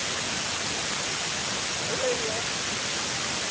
「これよ」。